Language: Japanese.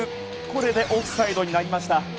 これでオフサイドになりました。